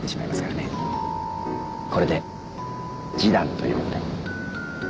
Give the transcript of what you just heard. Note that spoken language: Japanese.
これで示談という事で。